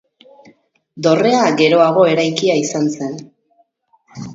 Dorrea geroago eraikia izan zen.